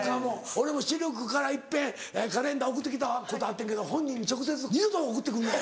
俺もシルクから一遍カレンダー送ってきたことあってんけど本人に直接「二度と送ってくんなよ！」。